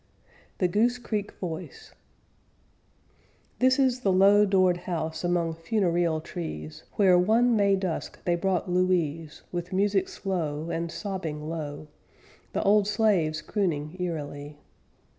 THE GOOSE CREEK VOICE This is the low doored house among funereal trees, Where one May dusk they brought Louise, With music slow, And sobbing low, The old slaves crooning eerily.